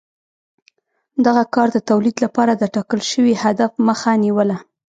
دغه کار د تولید لپاره د ټاکل شوي هدف مخه نیوله